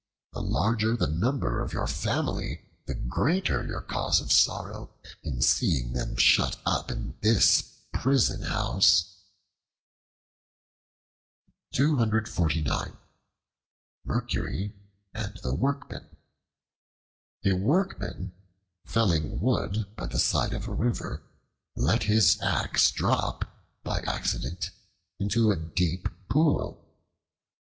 The larger the number of your family, the greater your cause of sorrow, in seeing them shut up in this prison house." Mercury and the Workmen A WORKMAN, felling wood by the side of a river, let his axe drop by accident into a deep pool.